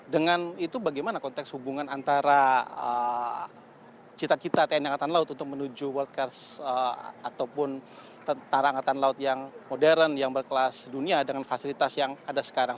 dengan itu bagaimana konteks hubungan antara cita cita tni angkatan laut untuk menuju worldcast ataupun tentara angkatan laut yang modern yang berkelas dunia dengan fasilitas yang ada sekarang